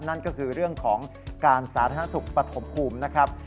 นั่นก็คือเรื่องของการสาธารณสุขปฐมภูมินะครับ